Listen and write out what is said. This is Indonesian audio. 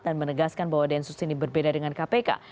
dan menegaskan bahwa densus ini berbeda dengan kpk